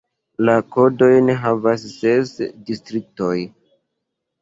La kodojn havas ses distriktoj.